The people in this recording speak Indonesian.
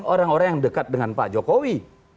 orang orang yang dekat dengan pak jokowi